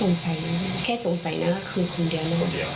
สงสัยนะแค่สงสัยนะก็คือคนเดียว